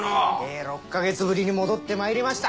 え６か月ぶりに戻ってまいりました！